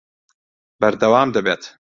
بەردەوام دەبێت